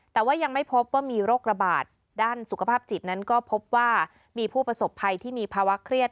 แต่ว่ายังไม่พบว่ามีโรคระบาดด้านสุขภาพจิตนั้นก็พบว่ามีผู้ประสบภัยที่มีภาวะเครียด